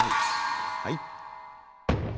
はい。